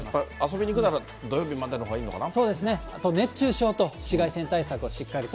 遊びに行くなら土曜日までのほうがいいのかな。